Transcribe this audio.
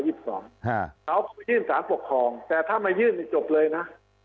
เขายื่นสารปกครองแต่ถ้ามายื่นจบเลยนะ